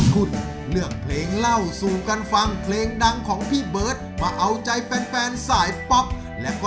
ทีมสังตาราฝันเย้